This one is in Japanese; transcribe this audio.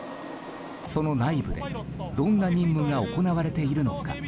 その内部でどんな任務が行われているのか。